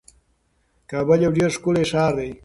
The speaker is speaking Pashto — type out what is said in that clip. کابل یو ډیر ښکلی ښار دی.